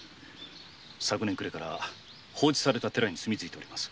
昨年暮れから放置された寺に住みついております。